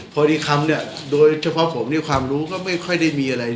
พอดีคำเนี่ยโดยเฉพาะผมเนี่ยความรู้ก็ไม่ค่อยได้มีอะไร